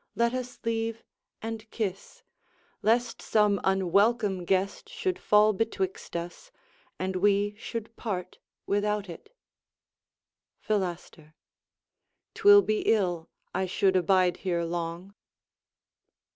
Let us leave, and kiss: Lest some unwelcome guest should fall betwixt us, And we should part without it. Philaster 'Twill be ill I should abide here long.